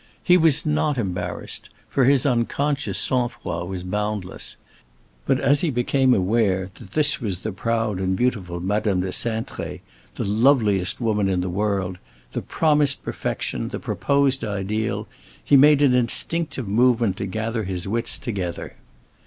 He was not embarrassed, for his unconscious sang froid was boundless; but as he became aware that this was the proud and beautiful Madame de Cintré, the loveliest woman in the world, the promised perfection, the proposed ideal, he made an instinctive movement to gather his wits together.